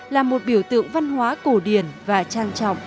là một biểu tượng văn hóa cổ điển và trang trọng